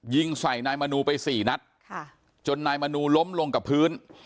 ยิงใส่นายมนูไปสี่นัดจนนายมนูล้มลงกับพื้น